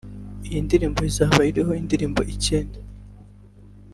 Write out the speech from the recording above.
Iyi ndirimbo izaba iriho indirimbo icyenda